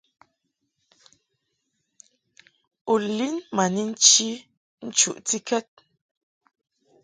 U lin ma ni nchi nchuʼtikɛd.